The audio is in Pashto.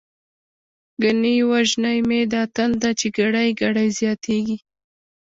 ګنی وژنی می دا تنده، چی ګړۍ ګړۍ زياتيږی